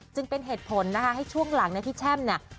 เป็นเหตุผลนะคะให้ช่วงหลังนะพี่แช่มเนี่ย